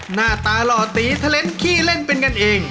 หน้าตาหล่อตีเทล็นขี้เล่นเป็นกันเอง